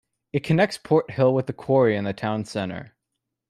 It connects Porthill with the Quarry and the town centre.